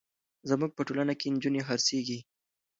زموږ په ټولنه کې نجونې خرڅېږي.